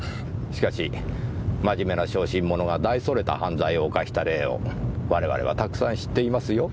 しかし真面目な小心者が大それた犯罪を犯した例を我々はたくさん知っていますよ。